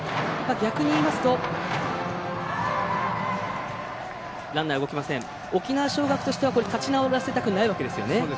逆にいいますと沖縄尚学としては立ち直らせたくないわけですよね。